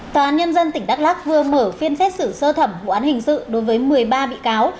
tòa án nhân dân tỉnh đắk lắc vừa mở phiên xét xử sơ thẩm vụ án hình sự đối với một mươi ba bị cáo